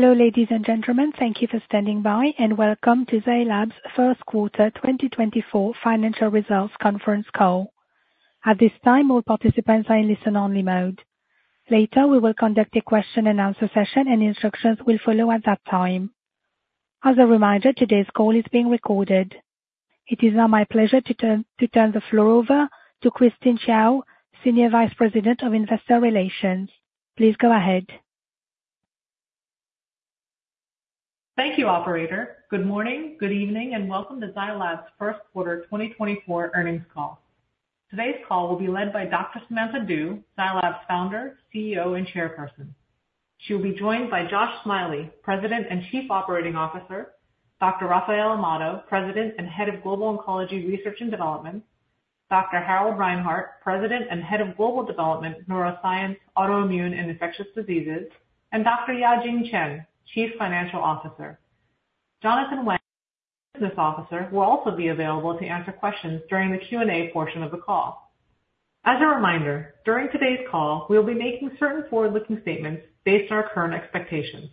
Hello, ladies and gentlemen. Thank you for standing by, and welcome to Zai Lab's first quarter 2024 financial results conference call. At this time, all participants are in listen-only mode. Later, we will conduct a question-and-answer session, and instructions will follow at that time. As a reminder, today's call is being recorded. It is now my pleasure to turn the floor over to Christine Chiou, Senior Vice President of Investor Relations. Please go ahead. Thank you, operator. Good morning, good evening, and welcome to Zai Lab's first quarter 2024 earnings call. Today's call will be led by Dr. Samantha Du, Zai Lab's founder, CEO, and chairperson. She'll be joined by Josh Smiley, President and Chief Operating Officer; Dr. Rafael Amado, President and Head of Global Oncology Research and Development; Dr. Harald Reinhart, President and Head of Global Development, Neuroscience, Autoimmune and Infectious Diseases; and Dr. Yajing Chen, Chief Financial Officer. Jonathan Wang, Business Officer, will also be available to answer questions during the Q&A portion of the call. As a reminder, during today's call, we'll be making certain forward-looking statements based on our current expectations.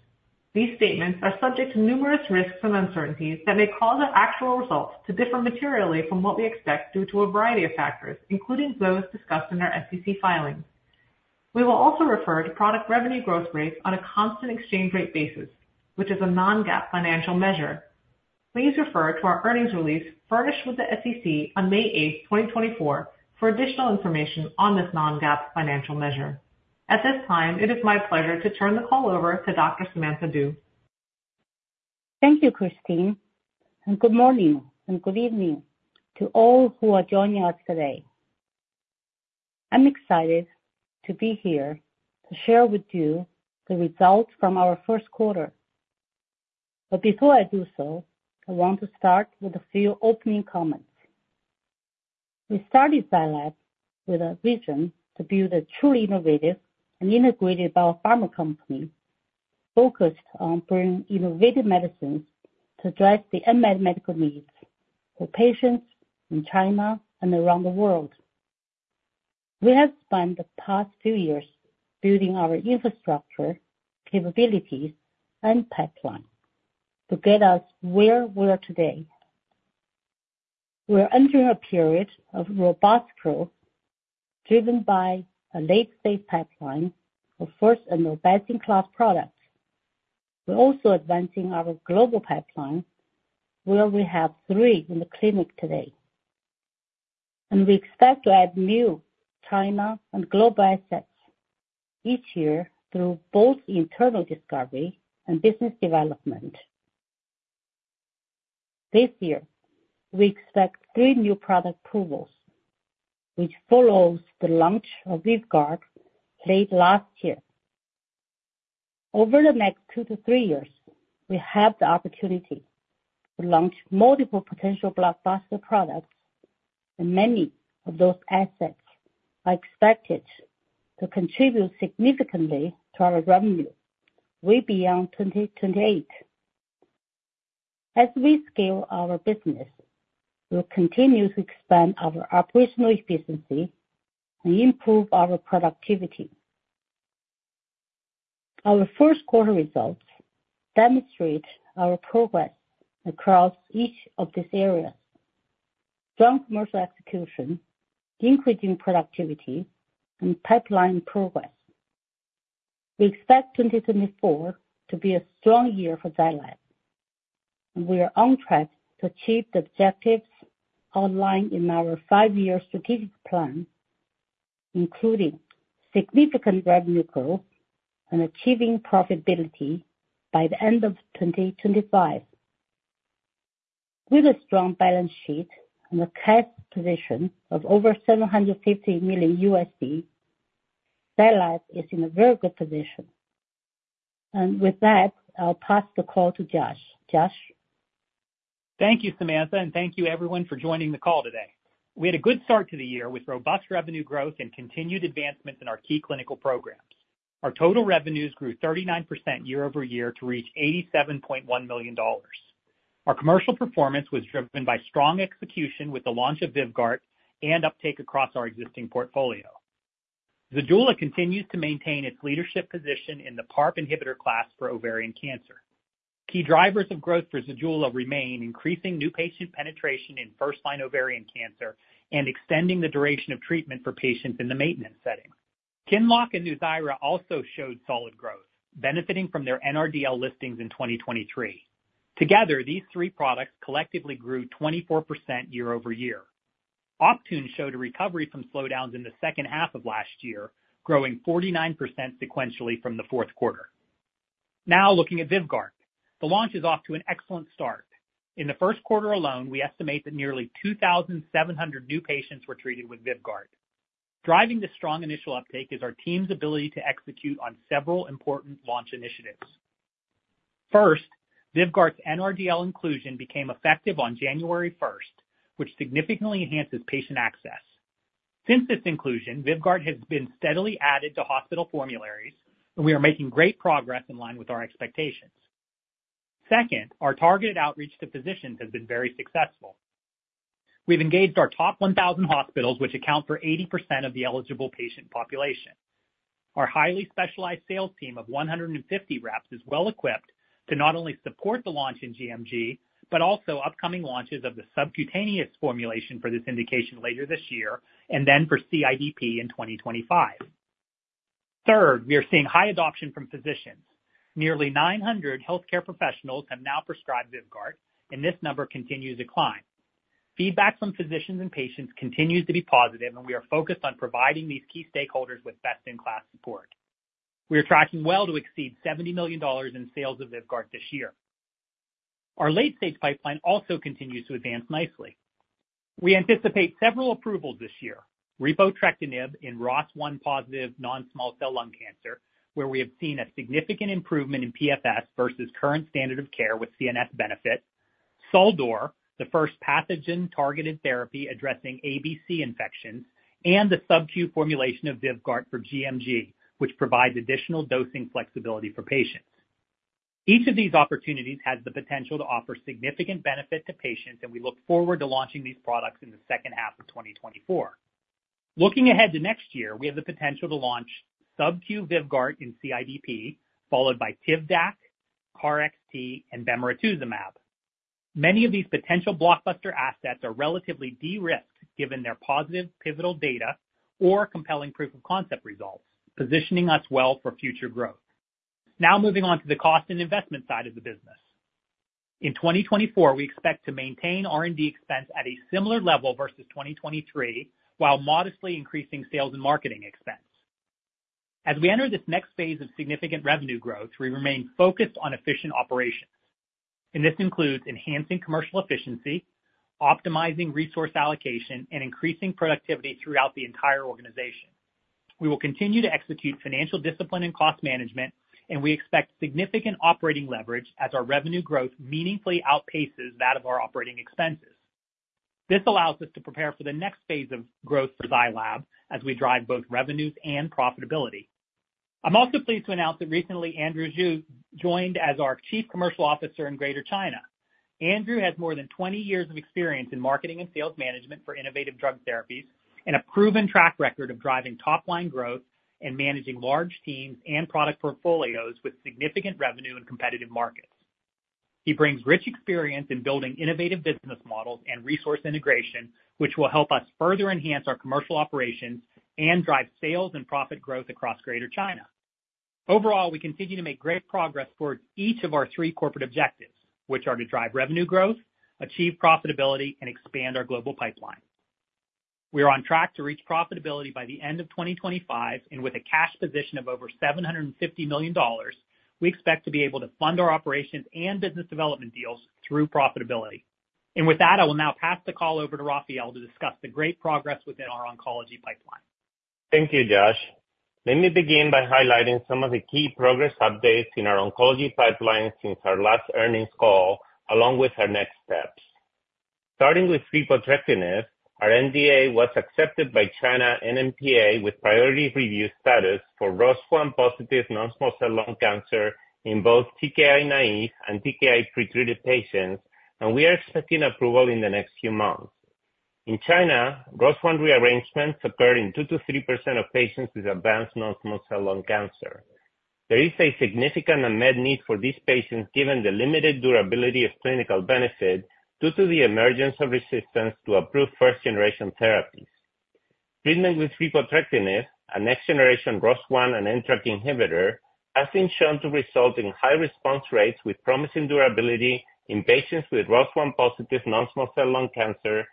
These statements are subject to numerous risks and uncertainties that may cause our actual results to differ materially from what we expect due to a variety of factors, including those discussed in our SEC filings. We will also refer to product revenue growth rates on a constant exchange rate basis, which is a non-GAAP financial measure. Please refer to our earnings release furnished with the SEC on May 8, 2024 for additional information on this non-GAAP financial measure. At this time, it is my pleasure to turn the call over to Dr. Samantha Du. Thank you, Christine, and good morning and good evening to all who are joining us today. I'm excited to be here to share with you the results from our first quarter. But before I do so, I want to start with a few opening comments. We started Zai Lab with a vision to build a truly innovative and integrated biopharma company focused on bringing innovative medicines to address the unmet medical needs for patients in China and around the world. We have spent the past few years building our infrastructure, capabilities, and pipeline to get us where we are today. We are entering a period of robust growth, driven by a late-stage pipeline of first-in-their-class products. We're also advancing our global pipeline, where we have three in the clinic today, and we expect to add new China and global assets each year through both internal discovery and business development. This year, we expect three new product approvals, which follows the launch of VYVGART late last year. Over the next two to three years, we have the opportunity to launch multiple potential blockbuster products, and many of those assets are expected to contribute significantly to our revenue way beyond 2028. As we scale our business, we'll continue to expand our operational efficiency and improve our productivity. Our first quarter results demonstrate our progress across each of these areas: strong commercial execution, increasing productivity, and pipeline progress. We expect 2024 to be a strong year for Zai Lab. We are on track to achieve the objectives outlined in our five-year strategic plan, including significant revenue growth and achieving profitability by the end of 2025. With a strong balance sheet and a cash position of over $750 million, Zai Lab is in a very good position. With that, I'll pass the call to Josh. Josh? Thank you, Samantha, and thank you everyone for joining the call today. We had a good start to the year with robust revenue growth and continued advancements in our key clinical programs. Our total revenues grew 39% year over year to reach $87.1 million. Our commercial performance was driven by strong execution with the launch of VYVGART and uptake across our existing portfolio. ZEJULA continues to maintain its leadership position in the PARP inhibitor class for ovarian cancer. Key drivers of growth for ZEJULA remain, increasing new patient penetration in first-line ovarian cancer and extending the duration of treatment for patients in the maintenance setting. QINLOCK and NUZYRA also showed solid growth, benefiting from their NRDL listings in 2023. Together, these three products collectively grew 24% year over year. Optune showed a recovery from slowdowns in the second half of last year, growing 49% sequentially from the fourth quarter. Now, looking at VYVGART. The launch is off to an excellent start. In the first quarter alone, we estimate that nearly 2,700 new patients were treated with VYVGART. Driving this strong initial uptake is our team's ability to execute on several important launch initiatives. First, VYVGART's NRDL inclusion became effective on January 1, which significantly enhances patient access. Since this inclusion, VYVGART has been steadily added to hospital formularies, and we are making great progress in line with our expectations. Second, our targeted outreach to physicians has been very successful. We've engaged our top 1,000 hospitals, which account for 80% of the eligible patient population. Our highly specialized sales team of 150 reps is well-equipped to not only support the launch in gMG, but also upcoming launches of the subcutaneous formulation for this indication later this year, and then for CIDP in 2025. Third, we are seeing high adoption from physicians. Nearly 900 healthcare professionals have now prescribed VYVGART, and this number continues to climb. Feedback from physicians and patients continues to be positive, and we are focused on providing these key stakeholders with best-in-class support. We are tracking well to exceed $70 million in sales of VYVGART this year. Our late-stage pipeline also continues to advance nicely. We anticipate several approvals this year. Repotrectinib in ROS1 positive non-small cell lung cancer, where we have seen a significant improvement in PFS versus current standard of care with CNS benefit. SUL-DUR, the first pathogen-targeted therapy addressing ABC infections, and the SubQ formulation of VYVGART for gMG, which provides additional dosing flexibility for patients. Each of these opportunities has the potential to offer significant benefit to patients, and we look forward to launching these products in the second half of 2024. Looking ahead to next year, we have the potential to launch SubQ VYVGART in CIDP, followed by TIVDAK, KarXT, and Bemarituzumab. Many of these potential blockbuster assets are relatively de-risked, given their positive pivotal data or compelling proof of concept results, positioning us well for future growth. Now moving on to the cost and investment side of the business. In 2024, we expect to maintain R&D expense at a similar level versus 2023, while modestly increasing sales and marketing expense. As we enter this next phase of significant revenue growth, we remain focused on efficient operations, and this includes enhancing commercial efficiency, optimizing resource allocation, and increasing productivity throughout the entire organization. We will continue to execute financial discipline and cost management, and we expect significant operating leverage as our revenue growth meaningfully outpaces that of our operating expenses. This allows us to prepare for the next phase of growth for Zai Lab, as we drive both revenues and profitability. I'm also pleased to announce that recently, Andrew Zhu joined as our Chief Commercial Officer in Greater China. Andrew has more than 20 years of experience in marketing and sales management for innovative drug therapies and a proven track record of driving top-line growth and managing large teams and product portfolios with significant revenue in competitive markets. He brings rich experience in building innovative business models and resource integration, which will help us further enhance our commercial operations and drive sales and profit growth across Greater China. Overall, we continue to make great progress towards each of our three corporate objectives, which are to drive revenue growth, achieve profitability, and expand our global pipeline. We are on track to reach profitability by the end of 2025, and with a cash position of over $750 million, we expect to be able to fund our operations and business development deals through profitability. With that, I will now pass the call over to Rafael to discuss the great progress within our oncology pipeline. Thank you, Josh. Let me begin by highlighting some of the key progress updates in our oncology pipeline since our last earnings call, along with our next steps. Starting with repotrectinib, our NDA was accepted by China NMPA, with priority review status for ROS1-positive non-small cell lung cancer in both TKI-naïve and TKI-pretreated patients, and we are expecting approval in the next few months. In China, ROS1 rearrangements occur in 2%-3% of patients with advanced non-small cell lung cancer. There is a significant unmet need for these patients, given the limited durability of clinical benefit due to the emergence of resistance to approved first-generation therapies. Treatment with repotrectinib, a next-generation ROS1 and NTRK inhibitor, has been shown to result in high response rates with promising durability in patients with ROS1-positive non-small cell lung cancer,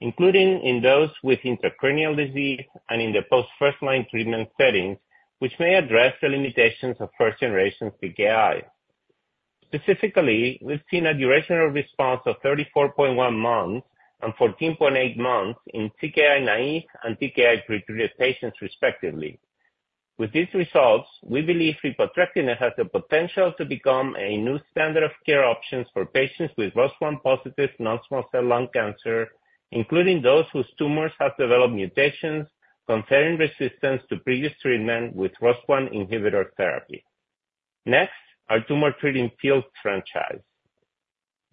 including in those with intracranial disease and in the post-first-line treatment settings, which may address the limitations of first-generation TKI. Specifically, we've seen a durational response of 34.1 months and 14.8 months in TKI-naïve and TKI-pretreated patients, respectively. With these results, we believe repotrectinib has the potential to become a new standard of care options for patients with ROS1-positive non-small cell lung cancer, including those whose tumors have developed mutations conferring resistance to previous treatment with ROS1 inhibitor therapy. Next, our tumor-treating field franchise.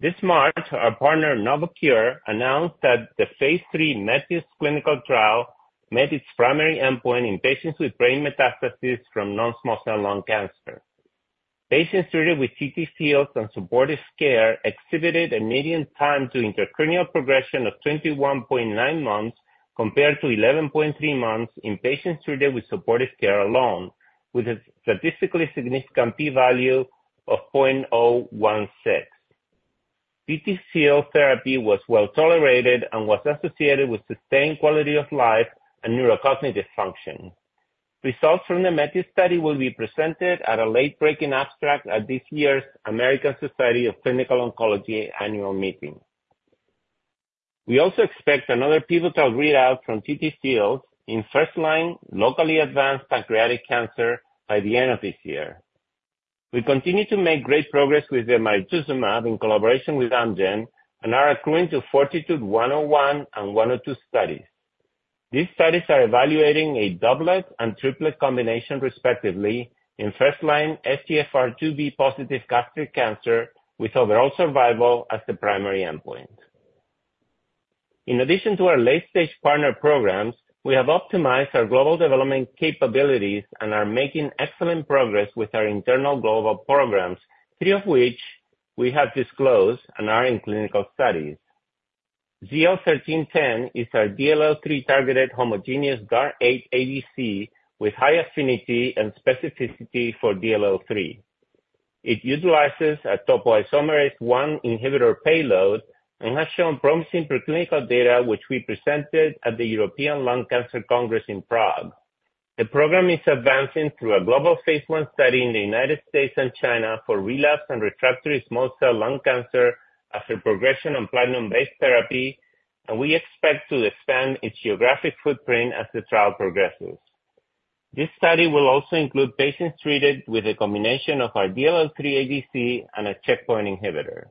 This March, our partner, Novocure, announced that the phase 3 METIS clinical trial met its primary endpoint in patients with brain metastases from non-small cell lung cancer. Patients treated with TTFields and supportive care exhibited a median time to intracranial progression of 21.9 months, compared to 11.3 months in patients treated with supportive care alone, with a statistically significant P value of 0.016. TTFields therapy was well tolerated and was associated with sustained quality of life and neurocognitive function. Results from the METIS study will be presented at a late-breaking abstract at this year's American Society of Clinical Oncology annual meeting. We also expect another pivotal readout from TTFields in first-line, locally advanced pancreatic cancer by the end of this year. We continue to make great progress with the bemarituzumab in collaboration with Amgen and are accruing to Fortitude 101 and 102 studies.... These studies are evaluating a doublet and triplet combination, respectively, in first-line EGFR T790M positive gastric cancer, with overall survival as the primary endpoint. In addition to our late-stage partner programs, we have optimized our global development capabilities and are making excellent progress with our internal global programs, three of which we have disclosed and are in clinical studies. ZL-1310 is our DLL3-targeted homogeneous DAR 8 ADC, with high affinity and specificity for DLL3. It utilizes a topoisomerase one inhibitor payload and has shown promising preclinical data, which we presented at the European Lung Cancer Congress in Prague. The program is advancing through a global phase one study in the United States and China for relapsed and refractory small cell lung cancer after progression on platinum-based therapy, and we expect to expand its geographic footprint as the trial progresses. This study will also include patients treated with a combination of our DLL3 ADC and a checkpoint inhibitor.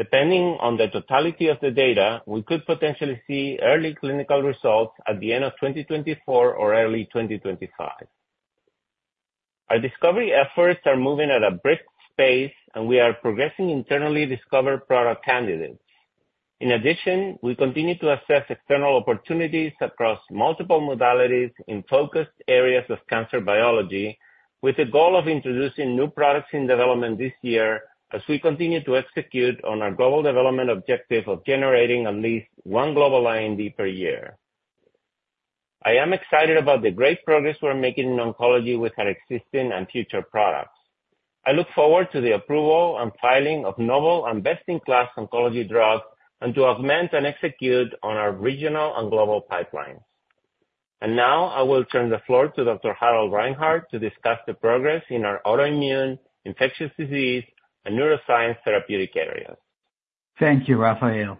Depending on the totality of the data, we could potentially see early clinical results at the end of 2024 or early 2025. Our discovery efforts are moving at a brisk pace, and we are progressing internally discover product candidates. In addition, we continue to assess external opportunities across multiple modalities in focused areas of cancer biology, with the goal of introducing new products in development this year, as we continue to execute on our global development objective of generating at least one global IND per year. I am excited about the great progress we're making in oncology with our existing and future products. I look forward to the approval and filing of novel and best-in-class oncology drugs, and to augment and execute on our regional and global pipelines. And now, I will turn the floor to Dr. Harald Reinhart to discuss the progress in our autoimmune, infectious disease, and neuroscience therapeutic areas. Thank you, Rafael.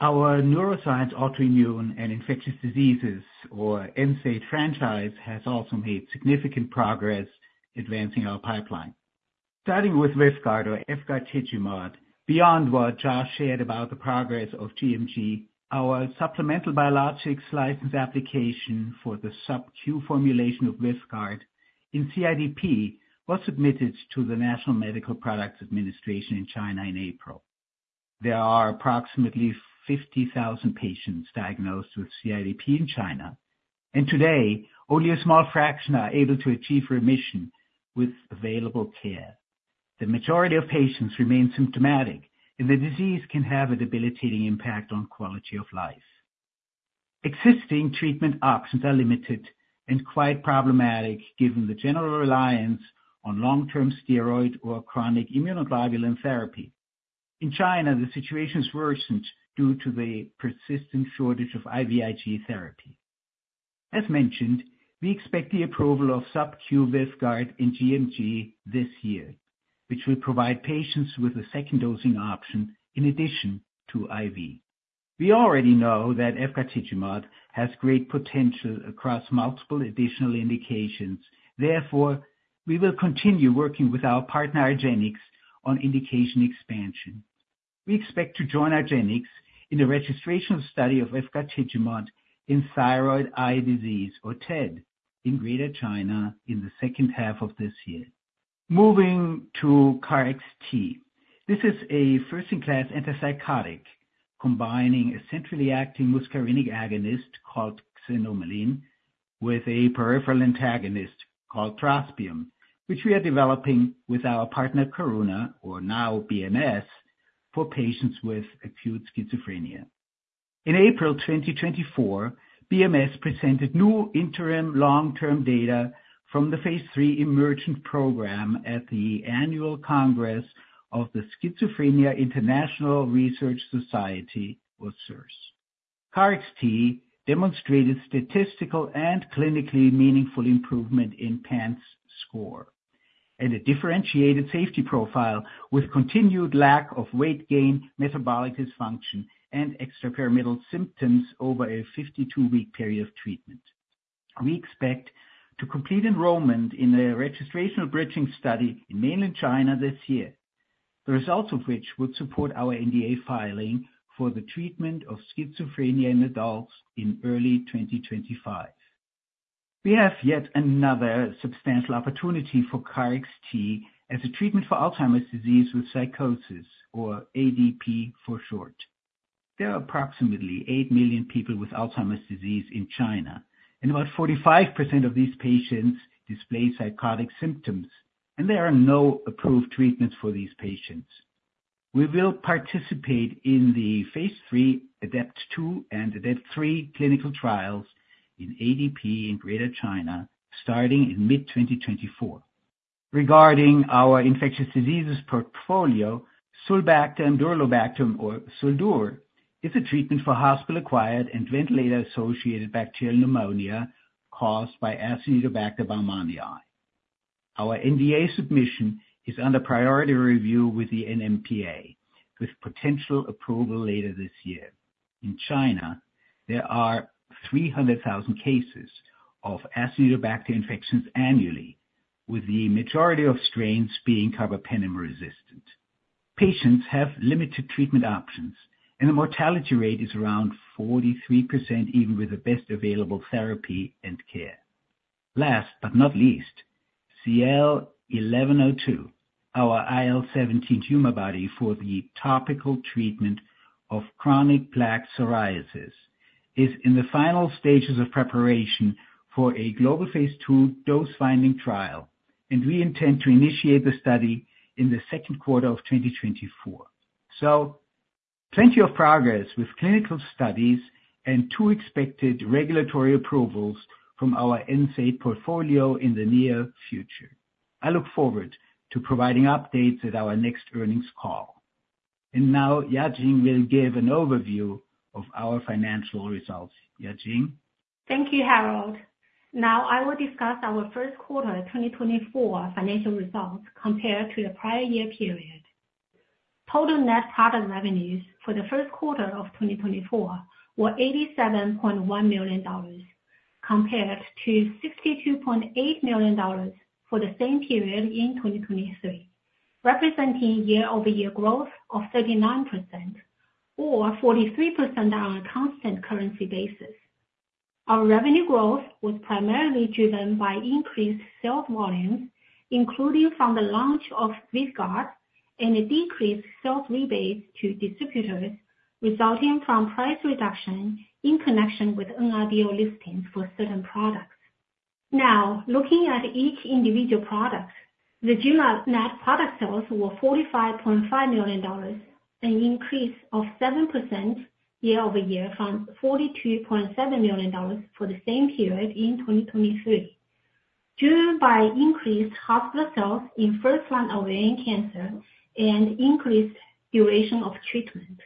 Our neuroscience, autoimmune, and infectious diseases, or NSAID franchise, has also made significant progress advancing our pipeline. Starting with VYVGART or efgartigimod, beyond what Josh shared about the progress of gMG, our supplemental biologics license application for the sub-Q formulation of VYVGART in CIDP was submitted to the National Medical Products Administration in China in April. There are approximately 50,000 patients diagnosed with CIDP in China, and today, only a small fraction are able to achieve remission with available care. The majority of patients remain symptomatic, and the disease can have a debilitating impact on quality of life. Existing treatment options are limited and quite problematic, given the general reliance on long-term steroid or chronic immunoglobulin therapy. In China, the situation's worsened due to the persistent shortage of IVIG therapy. As mentioned, we expect the approval of subQ VYVGART and gMG this year, which will provide patients with a second dosing option in addition to IV. We already know that efgartigimod has great potential across multiple additional indications. Therefore, we will continue working with our partner, argenx, on indication expansion. We expect to join argenx in the registration study of efgartigimod in thyroid eye disease, or TED, in Greater China in the second half of this year. Moving to KarXT, this is a first-in-class antipsychotic, combining a centrally acting muscarinic agonist called xanomeline, with a peripheral antagonist called trospium, which we are developing with our partner, Karuna, or now BMS, for patients with acute schizophrenia. In April 2024, BMS presented new interim long-term data from the phase 3 EMERGENT program at the Annual Congress of the Schizophrenia International Research Society, or SIRS. KarXT demonstrated statistical and clinically meaningful improvement in PANSS score, and a differentiated safety profile with continued lack of weight gain, metabolic dysfunction, and extrapyramidal symptoms over a 52-week period of treatment. We expect to complete enrollment in a registrational bridging study in mainland China this year, the results of which would support our NDA filing for the treatment of schizophrenia in adults in early 2025. We have yet another substantial opportunity for KarXT as a treatment for Alzheimer's disease with psychosis or ADP for short. There are approximately 8 million people with Alzheimer's disease in China, and about 45% of these patients display psychotic symptoms, and there are no approved treatments for these patients. We will participate in the phase 3 ADEPT2 and ADEPT-3 clinical trials in ADP in Greater China starting in mid-2024. Regarding our infectious diseases portfolio, sulbactam-durlobactam or SUL-DUR, is a treatment for hospital-acquired and ventilator-associated bacterial pneumonia caused by Acinetobacter baumannii. Our NDA submission is under priority review with the NMPA, with potential approval later this year. In China, there are 300,000 cases of Acinetobacter infections annually, with the majority of strains being carbapenem-resistant. Patients have limited treatment options, and the mortality rate is around 43%, even with the best available therapy and care. Last but not least, ZL-1102, our IL-17 Humabody for the topical treatment of chronic plaque psoriasis, is in the final stages of preparation for a global phase II dose-finding trial, and we intend to initiate the study in the second quarter of 2024. So plenty of progress with clinical studies and two expected regulatory approvals from our NSAID portfolio in the near future. I look forward to providing updates at our next earnings call. Now, Yajing will give an overview of our financial results. Yajing? Thank you, Harald. Now I will discuss our first quarter 2024 financial results compared to the prior year period. Total net product revenues for the first quarter of 2024 were $87.1 million, compared to $62.8 million for the same period in 2023, representing year-over-year growth of 39% or 43% on a constant currency basis. Our revenue growth was primarily driven by increased sales volumes, including from the launch of VYVGART and decreased sales rebates to distributors, resulting from price reduction in connection with NRDL listings for certain products. Now, looking at each individual product, the Zai Lab net product sales were $45.5 million, an increase of 7% year-over-year from $42.7 million for the same period in 2023, driven by increased hospital sales in first-line ovarian cancer and increased duration of treatment.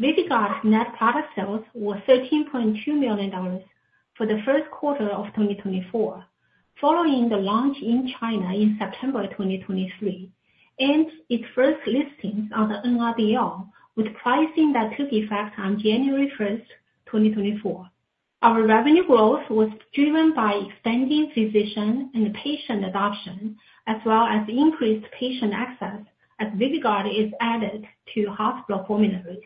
VYVGART net product sales were $13.2 million for the first quarter of 2024, following the launch in China in September 2023, and its first listings on the NRDL, with pricing that took effect on January 1, 2024. Our revenue growth was driven by extending physician and patient adoption, as well as increased patient access as VYVGART is added to hospital formularies.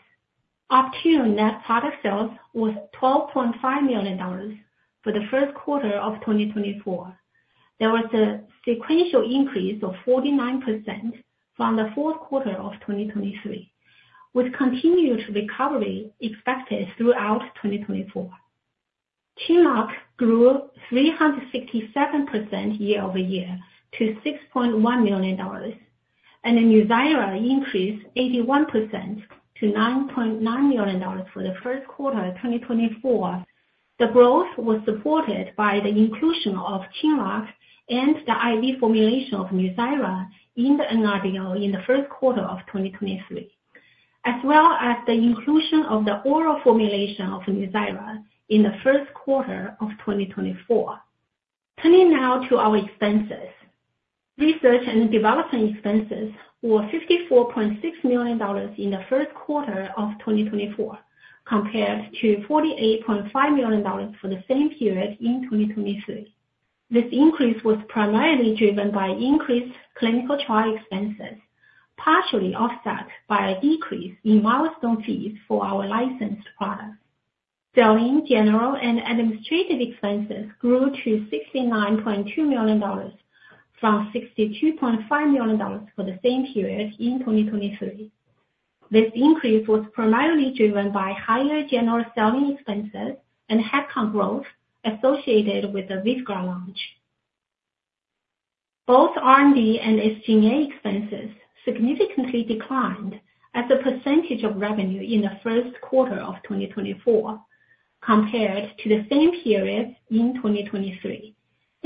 Optune net product sales was $12.5 million for the first quarter of 2024. There was a sequential increase of 49% from the fourth quarter of 2023, with continuous recovery expected throughout 2024. QINLOCK grew 357% year-over-year to $6.1 million, and NUZYRA increased 81% to $9.9 million for the first quarter of 2024. The growth was supported by the inclusion of QINLOCK and the IV formulation of NUZYRA in the NRDL in the first quarter of 2023, as well as the inclusion of the oral formulation of NUZYRA in the first quarter of 2024. Turning now to our expenses. Research and development expenses were $54.6 million in the first quarter of 2024, compared to $48.5 million for the same period in 2023. This increase was primarily driven by increased clinical trial expenses, partially offset by a decrease in milestone fees for our licensed product. Selling, general, and administrative expenses grew to $69.2 million from $62.5 million for the same period in 2023. This increase was primarily driven by higher general selling expenses and headcount growth associated with the VYVGART launch. Both R&D and SG&A expenses significantly declined as a percentage of revenue in the first quarter of 2024 compared to the same period in 2023.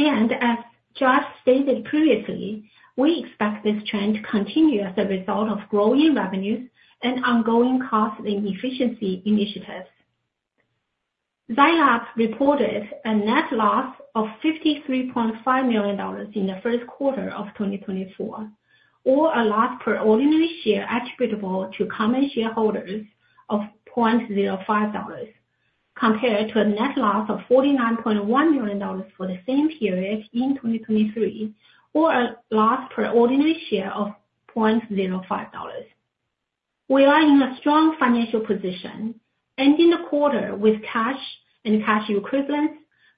As Josh stated previously, we expect this trend to continue as a result of growing revenues and ongoing cost and efficiency initiatives. Lab reported a net loss of $53.5 million in the first quarter of 2024, or a loss per ordinary share attributable to common shareholders of $0.05, compared to a net loss of $49.1 million for the same period in 2023, or a loss per ordinary share of $0.05. We are in a strong financial position, ending the quarter with cash and cash equivalents,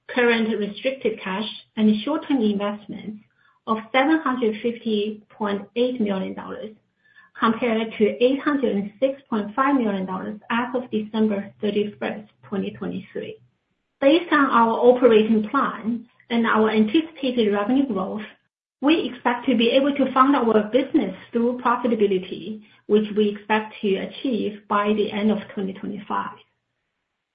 current restricted cash, and short-term investments of $750.8 million, compared to $806.5 million as of December 31, 2023. Based on our operating plan and our anticipated revenue growth, we expect to be able to fund our business through profitability, which we expect to achieve by the end of 2025.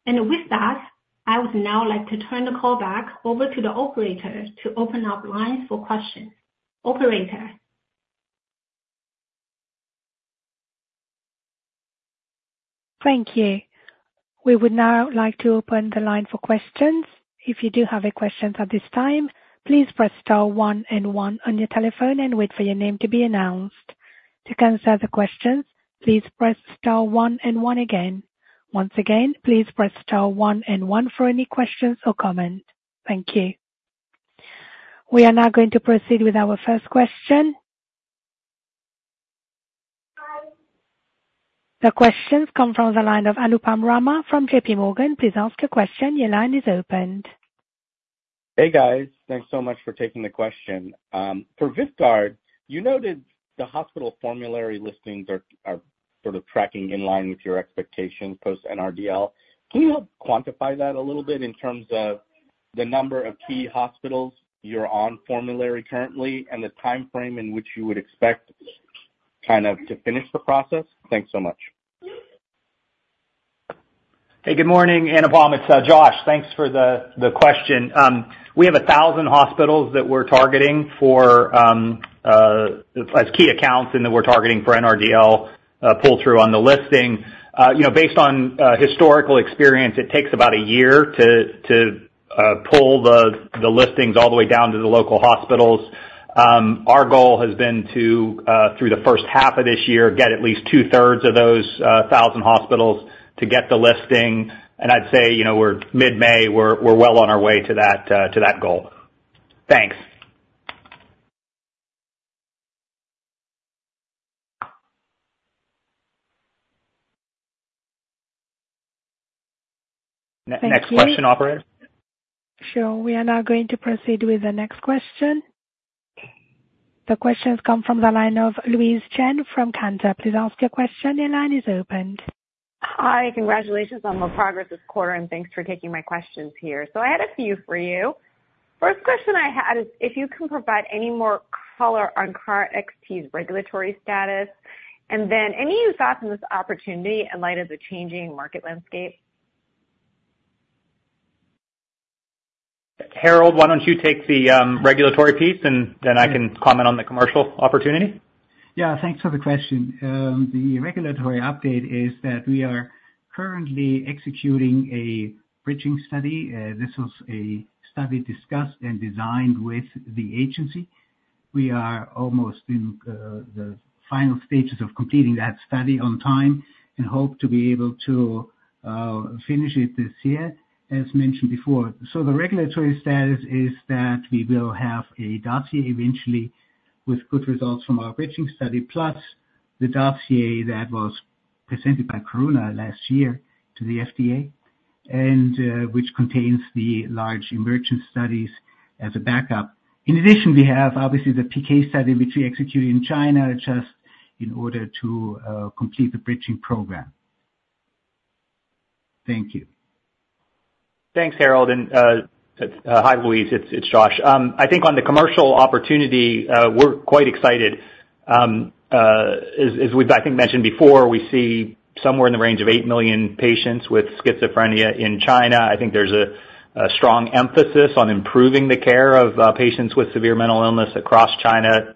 With that, I would now like to turn the call back over to the operator to open up lines for questions. Operator? Thank you. We would now like to open the line for questions. If you do have a question at this time, please press star one and one on your telephone and wait for your name to be announced. To cancel the question, please press star one and one again. Once again, please press star one and one for any questions or comments. Thank you... We are now going to proceed with our first question. The question comes from the line of Anupam Rama from JP Morgan. Please ask your question. Your line is open. Hey, guys. Thanks so much for taking the question. For VYVGART, you noted the hospital formulary listings are sort of tracking in line with your expectations post NRDL. Can you help quantify that a little bit in terms of the number of key hospitals you're on formulary currently, and the timeframe in which you would expect kind of to finish the process? Thanks so much. Hey, good morning, Anupam. It's Josh. Thanks for the question. We have 1,000 hospitals that we're targeting for as key accounts, and that we're targeting for NRDL pull-through on the listing. You know, based on historical experience, it takes about a year to pull the listings all the way down to the local hospitals. Our goal has been to through the first half of this year, get at least two-thirds of those 1,000 hospitals to get the listing. And I'd say, you know, we're mid-May, we're well on our way to that goal. Thanks. Next question, operator? Sure. We are now going to proceed with the next question. The questions come from the line of Louise Chen from Cantor. Please ask your question. Your line is opened. Hi, congratulations on the progress this quarter, and thanks for taking my questions here. I had a few for you. First question I had is if you can provide any more color on KarXT's regulatory status, and then any thoughts on this opportunity in light of the changing market landscape? Harald, why don't you take the regulatory piece, and then I can comment on the commercial opportunity. Yeah, thanks for the question. The regulatory update is that we are currently executing a bridging study. This was a study discussed and designed with the agency. We are almost in the final stages of completing that study on time and hope to be able to finish it this year, as mentioned before. So the regulatory status is that we will have a DAC eventually with good results from our bridging study, plus the DAC that was presented by Karuna last year to the FDA, and which contains the large emergent studies as a backup. In addition, we have obviously the PK study, which we executed in China, just in order to complete the bridging program. Thank you. Thanks, Harald, and hi, Louise, it's Josh. I think on the commercial opportunity, we're quite excited. As we've, I think, mentioned before, we see somewhere in the range of 8 million patients with schizophrenia in China. I think there's a strong emphasis on improving the care of patients with severe mental illness across China.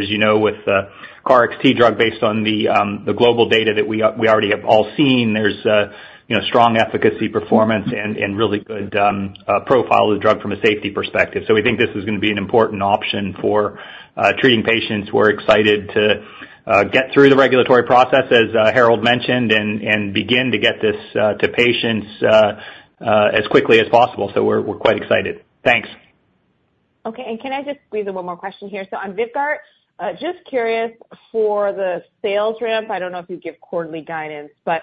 As you know, with the KarXT drug, based on the global data that we already have all seen, there's a, you know, strong efficacy performance and really good profile of the drug from a safety perspective. So we think this is gonna be an important option for treating patients. We're excited to get through the regulatory process, as Harald mentioned, and begin to get this to patients as quickly as possible. So we're quite excited. Thanks. Okay. And can I just squeeze in one more question here? So on VYVGART, just curious for the sales ramp, I don't know if you give quarterly guidance, but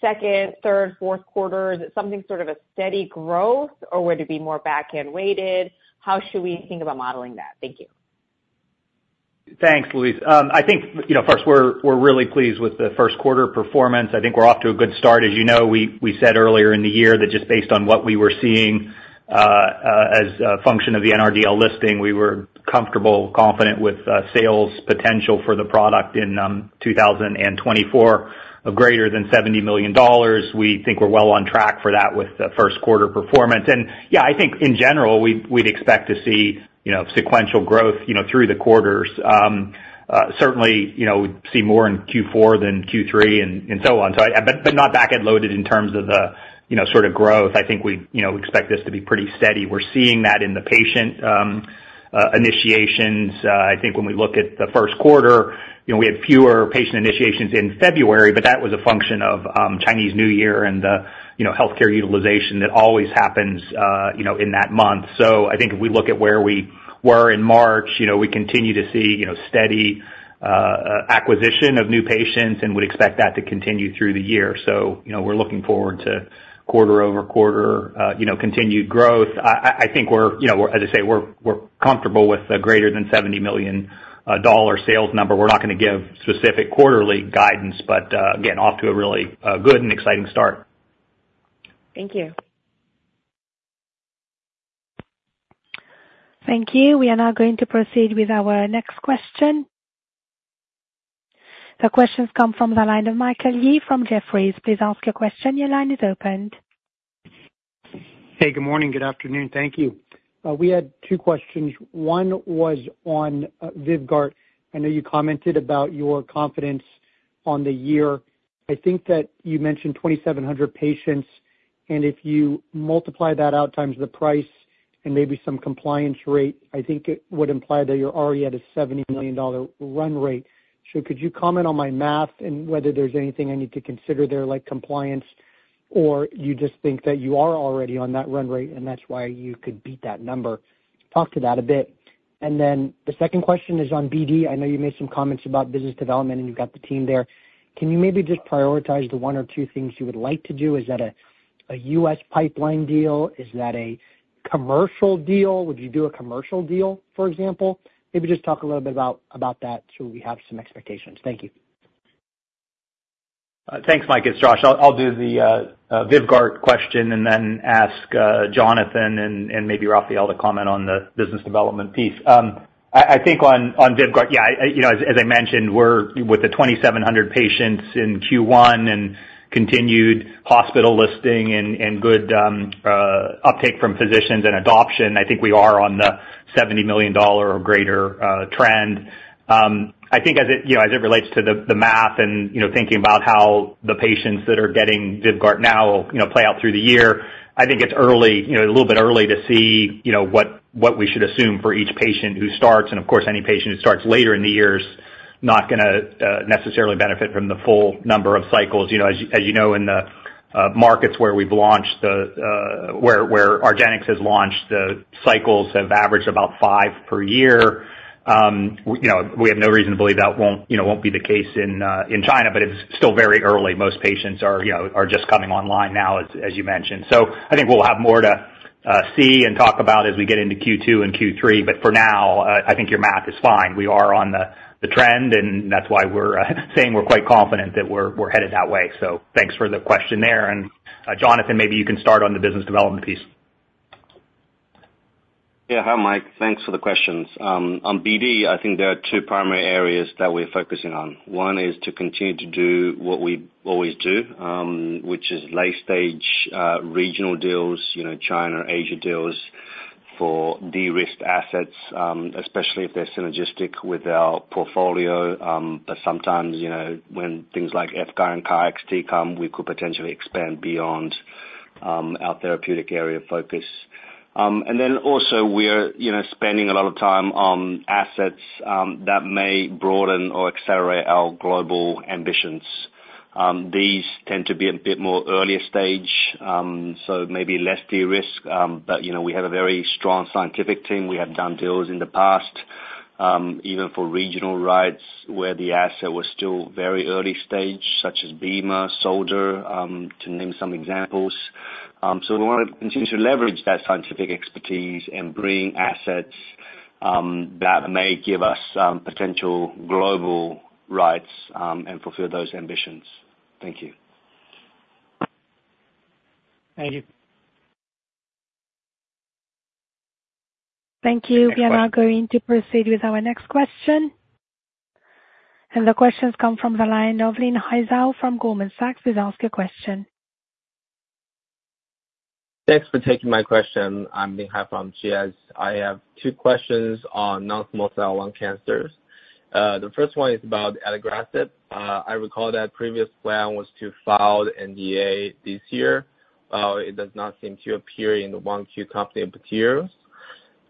second, third, fourth quarter, is it something sort of a steady growth, or would it be more back-end weighted? How should we think about modeling that? Thank you. Thanks, Louise. I think, you know, first, we're, we're really pleased with the first quarter performance. I think we're off to a good start. As you know, we, we said earlier in the year that just based on what we were seeing, as a function of the NRDL listing, we were comfortable, confident with, sales potential for the product in 2024 of greater than $70 million. We think we're well on track for that with the first quarter performance. And yeah, I think in general, we'd, we'd expect to see, you know, sequential growth, you know, through the quarters. Certainly, you know, we'd see more in Q4 than Q3 and, and so on. So but, but not back-end loaded in terms of the, you know, sort of growth. I think we'd, you know, expect this to be pretty steady. We're seeing that in the patient initiations. I think when we look at the first quarter, you know, we had fewer patient initiations in February, but that was a function of Chinese New Year and the, you know, healthcare utilization that always happens, you know, in that month. So I think if we look at where we were in March, you know, we continue to see, you know, steady acquisition of new patients and would expect that to continue through the year. So, you know, we're looking forward to quarter-over-quarter, you know, continued growth. I think we're, you know, as I say, we're, we're comfortable with a greater than $70 million sales number. We're not gonna give specific quarterly guidance, but again, off to a really good and exciting start. Thank you. Thank you. We are now going to proceed with our next question. The questions come from the line of Michael Yee from Jefferies. Please ask your question. Your line is opened. Hey, good morning, good afternoon. Thank you. We had two questions. One was on VYVGART. I know you commented about your confidence on the year. I think that you mentioned 2,700 patients, and if you multiply that out times the price and maybe some compliance rate, I think it would imply that you're already at a $70 million run rate. So could you comment on my math and whether there's anything I need to consider there, like compliance?... or you just think that you are already on that run rate, and that's why you could beat that number? Talk to that a bit. And then the second question is on BD. I know you made some comments about business development, and you've got the team there. Can you maybe just prioritize the one or two things you would like to do? Is that a, a U.S. pipeline deal? Is that a commercial deal? Would you do a commercial deal, for example? Maybe just talk a little bit about, about that, so we have some expectations. Thank you. Thanks, Mike, it's Josh. I'll, I'll do the Vyvgart question and then ask Jonathan and, and maybe Rafael to comment on the business development piece. I, I think on Vyvgart, yeah, I, you know, as, as I mentioned, we're with the 2,700 patients in Q1 and continued hospital listing and, and good uptake from physicians and adoption, I think we are on the $70 million or greater trend. I think as it, you know, as it relates to the, the math and, you know, thinking about how the patients that are getting VYVGART now, you know, play out through the year, I think it's early, you know, a little bit early to see, you know, what, what we should assume for each patient who starts, and of course, any patient who starts later in the year is not gonna necessarily benefit from the full number of cycles. You know, as, as you know, in the, markets where we've launched the, where, where argenx has launched, the cycles have averaged about five per year. You know, we have no reason to believe that won't, you know, won't be the case in, in China, but it's still very early. Most patients are, you know, are just coming online now, as, as you mentioned. So I think we'll have more to see and talk about as we get into Q2 and Q3, but for now, I think your math is fine. We are on the trend, and that's why we're saying we're quite confident that we're headed that way. So thanks for the question there. And, Jonathan, maybe you can start on the business development piece. Yeah. Hi, Mike. Thanks for the questions. On BD, I think there are two primary areas that we're focusing on. One is to continue to do what we always do, which is late stage, regional deals, you know, China, Asia deals for de-risked assets, especially if they're synergistic with our portfolio. But sometimes, you know, when things like FGFR and KarXT come, we could potentially expand beyond, our therapeutic area of focus. And then also, we're, you know, spending a lot of time on assets, that may broaden or accelerate our global ambitions. These tend to be a bit more earlier stage, so maybe less de-risk, but, you know, we have a very strong scientific team. We have done deals in the past, even for regional rights, where the asset was still very early stage, such as bemarituzumab, SUL-DUR, to name some examples. So we wanna continue to leverage that scientific expertise and bring assets, that may give us some potential global rights, and fulfill those ambitions. Thank you. Thank you. Thank you. We are now going to proceed with our next question, and the question comes from the line of Lin He from Goldman Sachs. Please ask your question. Thanks for taking my question. I'm Lin He from Goldman Sachs. I have two questions on non-small cell lung cancers. The first one is about Adagrasib. I recall that previous plan was to file the NDA this year. It does not seem to appear in the 1Q company materials,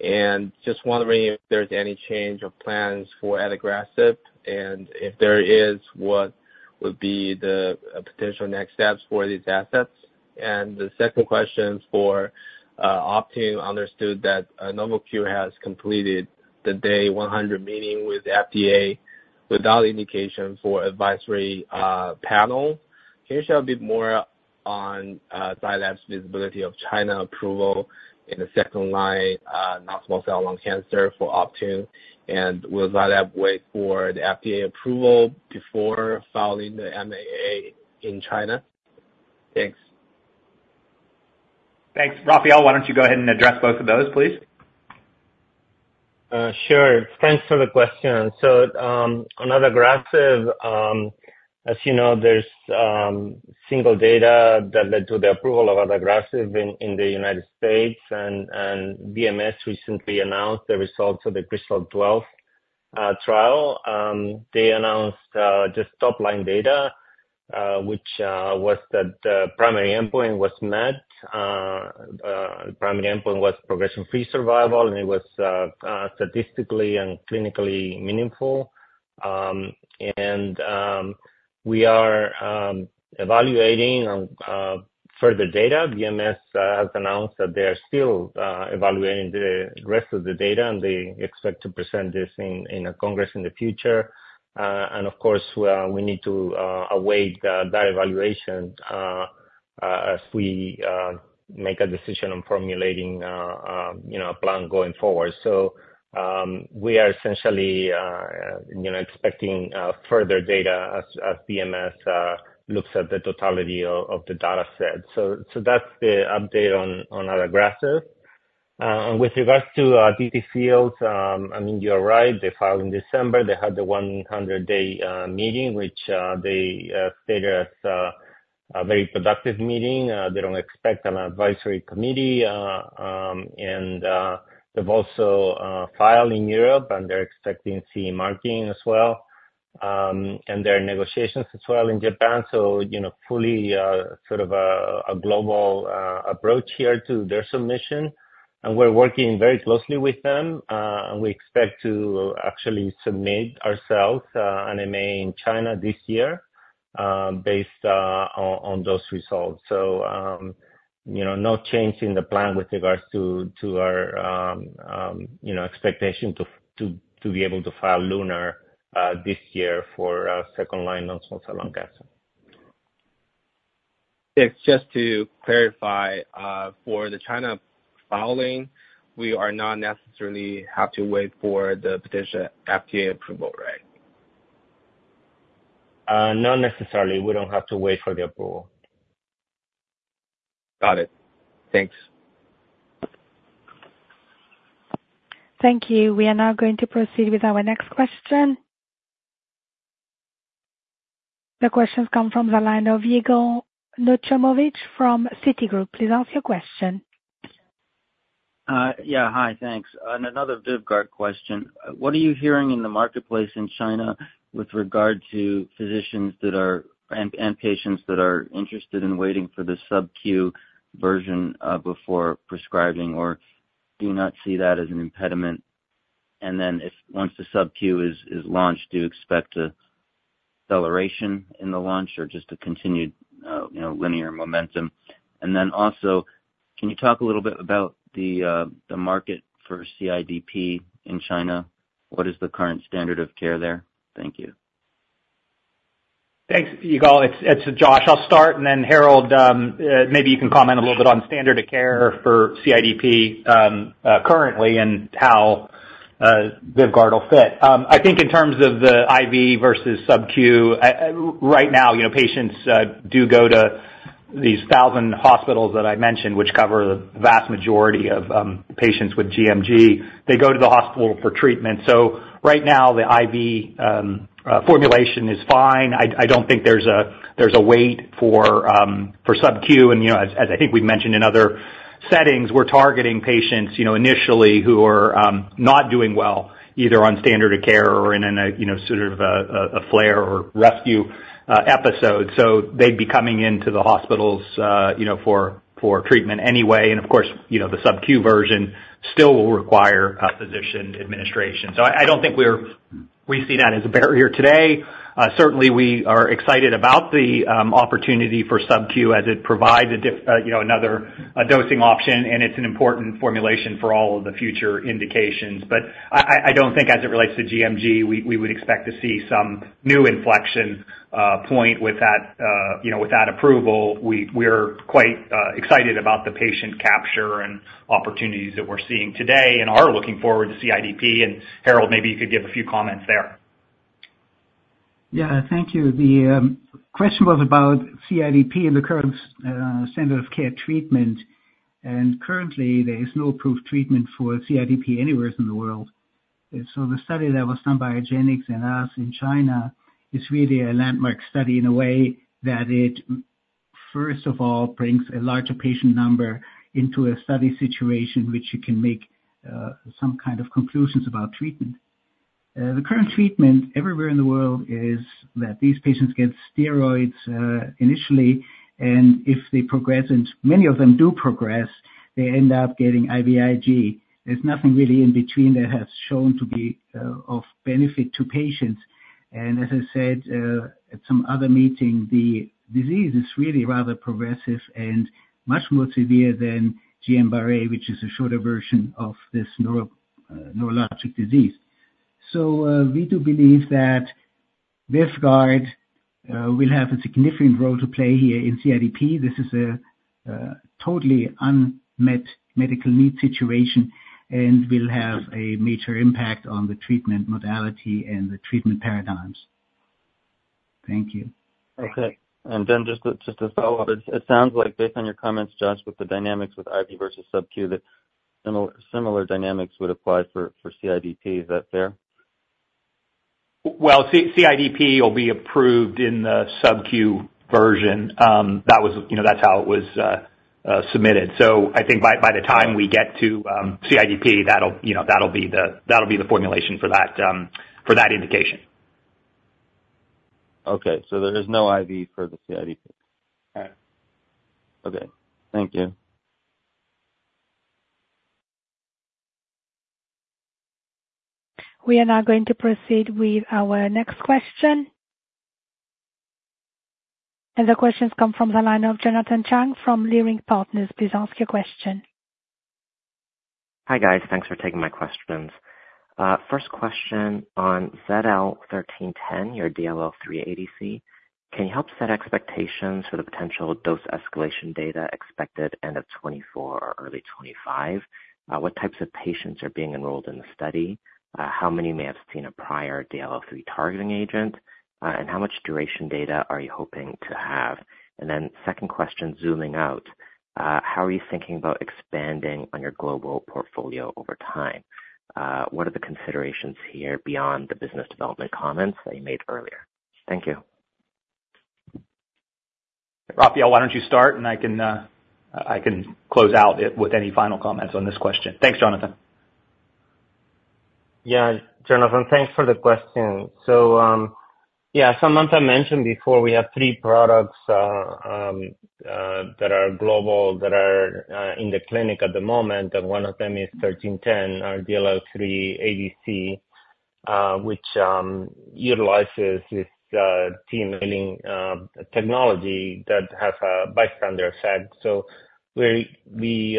and just wondering if there's any change of plans for Adagrasib, and if there is, what would be the potential next steps for these assets? And the second question is for Optune. I understood that Novocure has completed the day 100 meeting with the FDA without indication for advisory panel. Can you share a bit more on Zai Lab's visibility of China approval in the second line non-small cell lung cancer for Optune, and will Zai Lab wait for the FDA approval before filing the MAA in China? Thanks. Thanks. Rafael, why don't you go ahead and address both of those, please? Sure. Thanks for the question. So, on Adagrasib, as you know, there's single data that led to the approval of Adagrasib in the United States, and BMS recently announced the results of the KRYSTAL-12 trial. They announced just top-line data, which was that primary endpoint was met. Primary endpoint was progression-free survival, and it was statistically and clinically meaningful. And we are evaluating further data. BMS has announced that they are still evaluating the rest of the data, and they expect to present this in a congress in the future. And of course, we need to await that evaluation as we make a decision on formulating, you know, a plan going forward. So, we are essentially, you know, expecting, further data as, as BMS, looks at the totality of the data set. So, that's the update on, Adagrasib. And with regards to, TTFields, I mean, you are right. They filed in December. They had the 100-day, meeting, which, they, stated as, a very productive meeting. They don't expect an advisory committee, and, they've also, filed in Europe, and they're expecting CE marking as well. And there are negotiations as well in Japan, so, you know, fully, sort of a, a global, approach here to their submission. And we're working very closely with them, and we expect to actually submit ourselves, NDA in China this year.... based, on, on those results. So, you know, no change in the plan with regards to our, you know, expectation to be able to file Lunar this year for second-line non-small cell lung cancer. Yes, just to clarify, for the China filing, we do not necessarily have to wait for the pending FDA approval, right? Not necessarily. We don't have to wait for the approval. Got it. Thanks. Thank you. We are now going to proceed with our next question. The question comes from the line of Yigal Nochomovitz from Citigroup. Please ask your question. Yeah, hi, thanks. On another VYVGART question, what are you hearing in the marketplace in China with regard to physicians that are, and, and patients that are interested in waiting for the subq version before prescribing, or do you not see that as an impediment? And then if once the subq is launched, do you expect a acceleration in the launch or just a continued, you know, linear momentum? And then also, can you talk a little bit about the the market for CIDP in China? What is the current standard of care there? Thank you. Thanks, Yigal. It's Josh. I'll start, and then Harald, maybe you can comment a little bit on standard of care for CIDP currently, and how VYVGART will fit. I think in terms of the IV versus subq, right now, you know, patients do go to these 1,000 hospitals that I mentioned, which cover the vast majority of patients with GMG. They go to the hospital for treatment. So right now, the IV formulation is fine. I don't think there's a wait for subq. And, you know, as I think we've mentioned in other settings, we're targeting patients, you know, initially who are not doing well, either on standard of care or in a, you know, sort of a flare or rescue episode. So they'd be coming into the hospitals, you know, for treatment anyway. And of course, you know, the subq version still will require a physician administration. So I don't think we see that as a barrier today. Certainly, we are excited about the opportunity for subq as it provides, you know, another dosing option, and it's an important formulation for all of the future indications. But I don't think as it relates to GMG, we would expect to see some new inflection point with that, you know, with that approval. We're quite excited about the patient capture and opportunities that we're seeing today and are looking forward to CIDP, and Harald, maybe you could give a few comments there. Yeah. Thank you. The question was about CIDP and the current standard of care treatment. Currently, there is no approved treatment for CIDP anywhere in the world. So the study that was done by argenx and us in China is really a landmark study in a way that it, first of all, brings a larger patient number into a study situation, which you can make some kind of conclusions about treatment. The current treatment everywhere in the world is that these patients get steroids initially, and if they progress, and many of them do progress, they end up getting IVIG. There's nothing really in between that has shown to be of benefit to patients. As I said, at some other meeting, the disease is really rather progressive and much more severe than GBS, which is a shorter version of this neurologic disease. So, we do believe that VYVGART will have a significant role to play here in CIDP. This is a totally unmet medical need situation and will have a major impact on the treatment modality and the treatment paradigms. Thank you. Okay. And then just a follow-up. It sounds like based on your comments, Josh, with the dynamics with IV versus SubQ, that similar dynamics would apply for CIDP, is that fair? Well, C-CIDP will be approved in the subq version. That was, you know, that's how it was submitted. So I think by the time we get to CIDP, that'll, you know, that'll be the, that'll be the formulation for that, for that indication. Okay. There is no IV for the CIDP. All right. Okay. Thank you. We are now going to proceed with our next question. The question's come from the line of Jonathan Chang from Leerink Partners. Please ask your question. Hi, guys. Thanks for taking my questions. First question on ZL-1310, your DLL3 ADC, can you help set expectations for the potential dose escalation data expected end of 2024 or early 2025? What types of patients are being enrolled in the study? How many may have seen a prior DLL3 targeting agent? And how much duration data are you hoping to have? And then second question, zooming out. How are you thinking about expanding on your global portfolio over time? What are the considerations here beyond the business development comments that you made earlier? Thank you. Rafael, why don't you start, and I can, I can close out it with any final comments on this question. Thanks, Jonathan. Yeah, Jonathan, thanks for the question. So, as Samantha mentioned before, we have three products that are global that are in the clinic at the moment, and one of them is ZL-1310, our DLL3 ADC, which utilizes this TMALIN technology that has a bystander effect. So we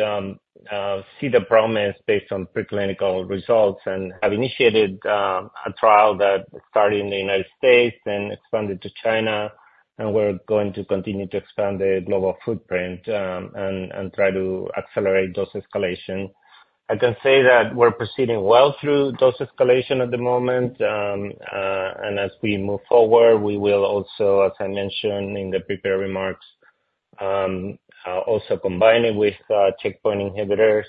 see the promise based on preclinical results and have initiated a trial that started in the United States and expanded to China, and we're going to continue to expand the global footprint and try to accelerate dose escalation. I can say that we're proceeding well through dose escalation at the moment. And as we move forward, we will also, as I mentioned in the prepared remarks, also combine it with checkpoint inhibitors.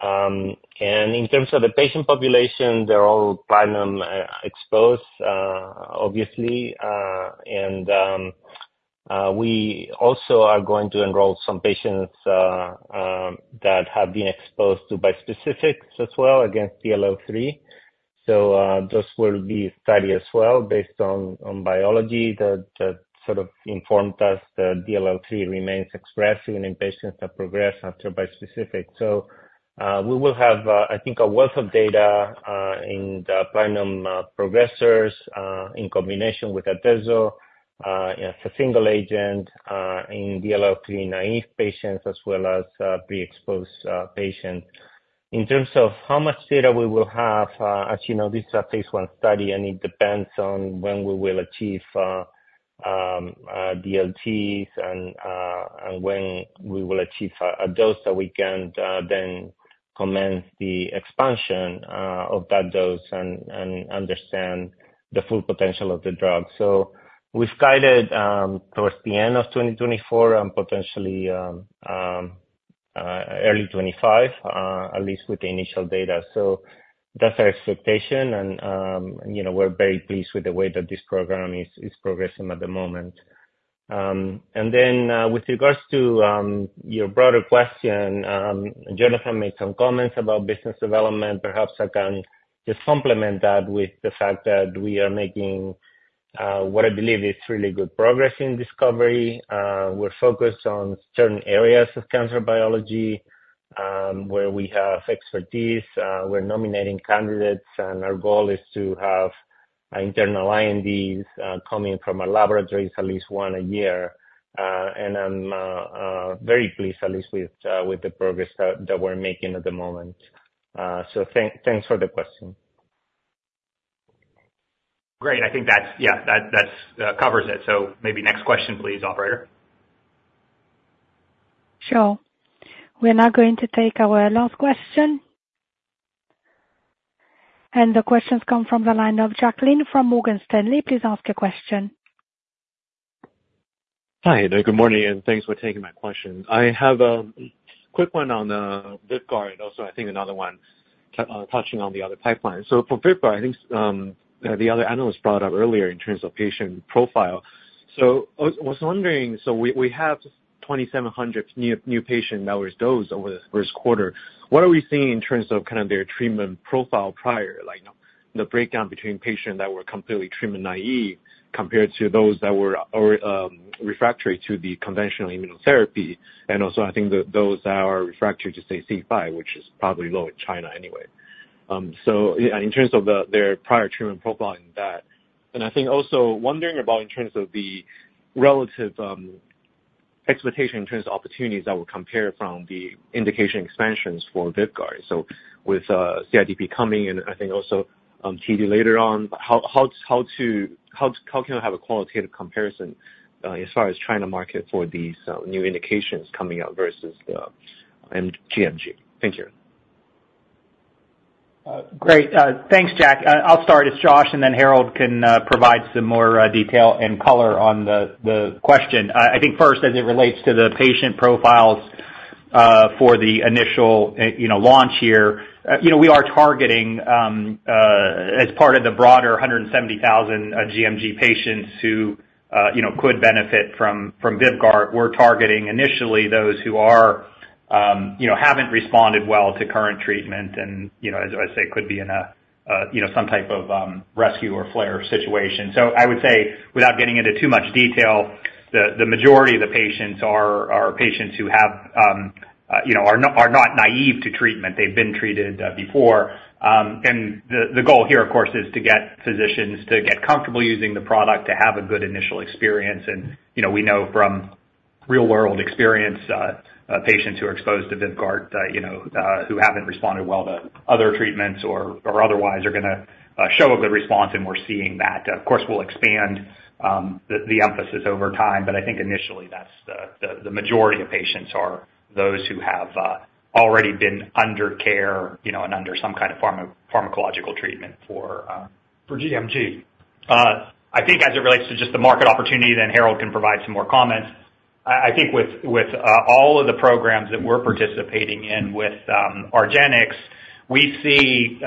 And in terms of the patient population, they're all platinum exposed, obviously. And we also are going to enroll some patients that have been exposed to bispecifics as well against DLL3. So, those will be studied as well based on biology that sort of informed us that DLL3 remains expressed in patients that progress after bispecific. So, we will have, I think, a wealth of data in the platinum progressors in combination with atezolizumab as a single agent in DLL3-naive patients as well as pre-exposed patients. In terms of how much data we will have, as you know, this is a phase 1 study, and it depends on when we will achieve DLTs and when we will achieve a dose that we can then commence the expansion of that dose and understand the full potential of the drug. So we've guided towards the end of 2024 and potentially early 2025, at least with the initial data. So that's our expectation, and you know, we're very pleased with the way that this program is progressing at the moment. And then, with regards to your broader question, Jonathan made some comments about business development. Perhaps I can just complement that with the fact that we are making what I believe is really good progress in discovery. We're focused on certain areas of cancer biology, where we have expertise. We're nominating candidates, and our goal is to have internal INDs coming from our laboratories at least one a year. I'm very pleased, at least with the progress that we're making at the moment. Thanks for the question. Great. I think that's, yeah, that covers it. So maybe next question, please, operator. Sure. We are now going to take our last question. The question comes from the line of Jacqueline from Morgan Stanley. Please ask your question. Hi there. Good morning, and thanks for taking my question. I have a quick one on VYVGART, and also I think another one touching on the other pipeline. So for VYVGART, I think the other analyst brought up earlier in terms of patient profile. So I was wondering, so we have 2,700 new patient that was dosed over the first quarter. What are we seeing in terms of kind of their treatment profile prior? Like, the breakdown between patients that were completely treatment naive compared to those that were refractory to the conventional immunotherapy, and also I think that those that are refractory to, say, C5, which is probably low in China anyway. So in terms of their prior treatment profile in that, and I think also wondering about in terms of the relative expectation, in terms of opportunities that would compare from the indication expansions for VYVGART. So with CIDP coming and I think also TED later on, how can I have a qualitative comparison as far as China market for these new indications coming out versus gMG? Thank you. Great. Thanks, Jack. I'll start, it's Josh, and then Harald can provide some more detail and color on the question. I think first, as it relates to the patient profiles, for the initial launch here, you know, we are targeting, as part of the broader 170,000 GMG patients who, you know, could benefit from VYVGART. We're targeting initially those who, you know, haven't responded well to current treatment and, you know, as I say, could be in a, you know, some type of rescue or flare situation. So I would say, without getting into too much detail, the majority of the patients are patients who have, you know, are not naive to treatment. They've been treated before. And the goal here, of course, is to get physicians to get comfortable using the product, to have a good initial experience. And, you know, we know from real-world experience, patients who are exposed to VYVGART, you know, who haven't responded well to other treatments or otherwise are gonna show a good response, and we're seeing that. Of course, we'll expand the emphasis over time, but I think initially, that's the majority of patients are those who have already been under care, you know, and under some kind of pharmacological treatment for gMG. I think as it relates to just the market opportunity, then Harald can provide some more comments. I think with all of the programs that we're participating in with argenx, we see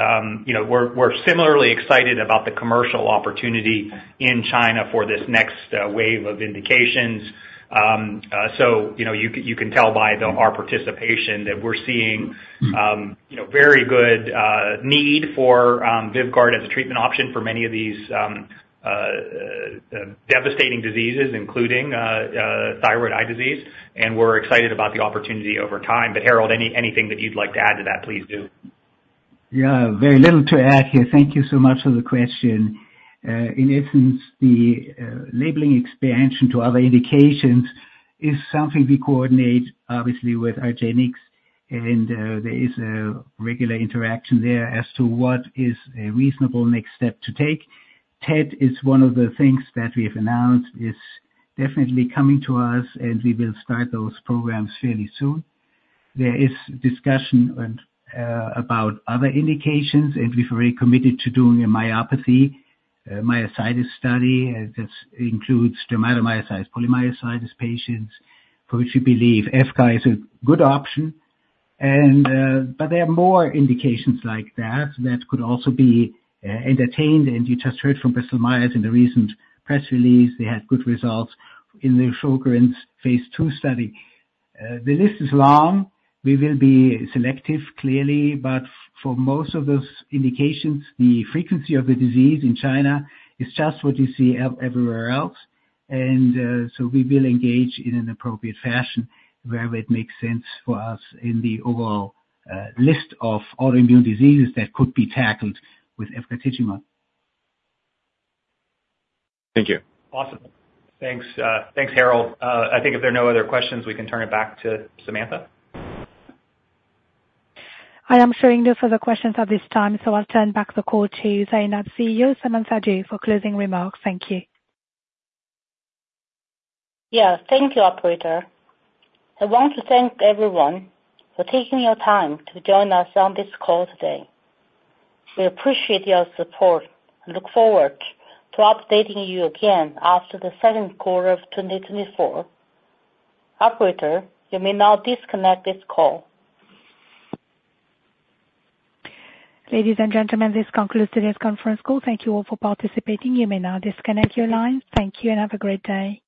you know, we're similarly excited about the commercial opportunity in China for this next wave of indications. So you know, you can tell by our participation that we're seeing you know, very good need for VYVGART as a treatment option for many of these devastating diseases, including thyroid eye disease, and we're excited about the opportunity over time. But Harald, anything that you'd like to add to that, please do.... Yeah, very little to add here. Thank you so much for the question. In essence, the labeling expansion to other indications is something we coordinate, obviously, with argenx, and there is a regular interaction there as to what is a reasonable next step to take. TED is one of the things that we have announced, is definitely coming to us, and we will start those programs fairly soon. There is discussion and about other indications, and we've already committed to doing a myopathy, myositis study. This includes dermatomyositis, polymyositis patients, for which we believe VYVGART is a good option. But there are more indications like that that could also be entertained. And you just heard from Bristol Myers Squibb in the recent press release, they had good results in their Sjögren's phase 2 study. The list is long. We will be selective, clearly, but for most of those indications, the frequency of the disease in China is just what you see everywhere else. And, so we will engage in an appropriate fashion wherever it makes sense for us in the overall list of autoimmune diseases that could be tackled with efgartigimod. Thank you. Awesome. Thanks, thanks, Harald. I think if there are no other questions, we can turn it back to Samantha. I am showing no further questions at this time, so I'll turn back the call to Zai Lab CEO, Samantha Du, for closing remarks. Thank you. Yeah. Thank you, operator. I want to thank everyone for taking your time to join us on this call today. We appreciate your support and look forward to updating you again after the second quarter of 2024. Operator, you may now disconnect this call. Ladies and gentlemen, this concludes today's conference call. Thank you all for participating. You may now disconnect your line. Thank you, and have a great day!